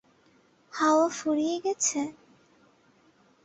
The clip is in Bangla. হাওয়া ফুরিয়ে গেছে?